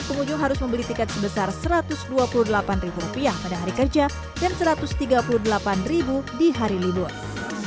pengunjung harus membeli tiket sebesar rp satu ratus dua puluh delapan pada hari kerja dan rp satu ratus tiga puluh delapan di hari libur